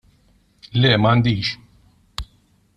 Le, m'għandix.